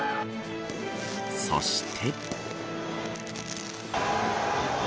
そして。